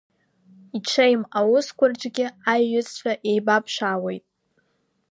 Иҽеим аусқәа рҿгьы аиҩызцәа еибаԥшаауеит.